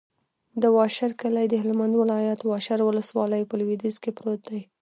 د واشر کلی د هلمند ولایت، واشر ولسوالي په لویدیځ کې پروت دی.